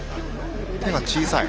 手が小さい。